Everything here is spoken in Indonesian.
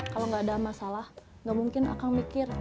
kalau nggak ada masalah nggak mungkin akang mikir